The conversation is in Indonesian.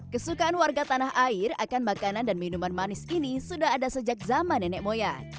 kesukaan warga tanah air akan makanan dan minuman manis ini sudah ada sejak zaman nenek moyang